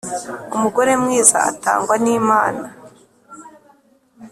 Umugore mwiza atangwa n’Imana